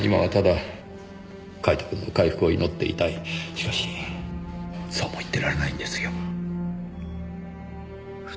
しかしそうも言ってられないんですよ。